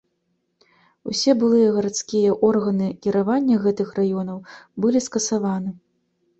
Усе былыя гарадскія органы кіравання гэтых раёнаў былі скасаваны.